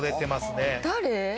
誰？